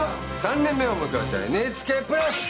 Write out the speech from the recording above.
３年目を迎えたＮＨＫプラス！